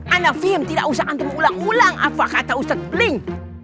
anak fihim tidak usah antum ulang ulang apa kata ustaz beling